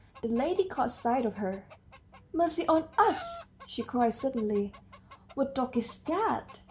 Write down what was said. The lady caught sight of her. "Mercy on us!" she cried suddenly; "what dog is that?"